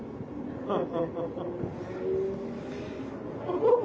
ハハハハ！